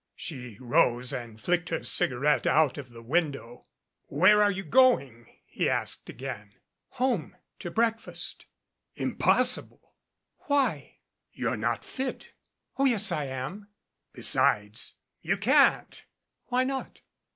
She rose and flicked her cigarette out of the window. "Where are you going?" he asked again. "Home to breakfast." "Impossible!" "Why?" "You're not fit " "Oh, yes, I am " "Besides, you can't " "Why not?"